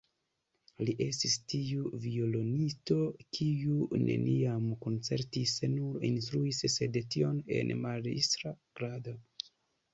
Li estis tiu violonisto, kiu neniam koncertis, nur instruis, sed tion en majstra grado.